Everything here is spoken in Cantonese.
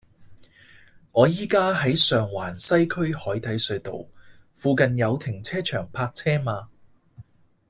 我依家喺上環西區海底隧道，附近有停車場泊車嗎